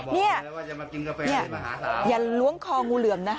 เนี่ยอย่าล้วงคองูเหลืองนะ